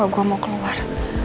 oh gue mau keluar